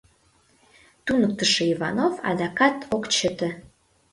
Туныктышо Иванов адакат ок чыте: